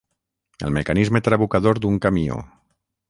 El mecanisme trabucador d'un camió.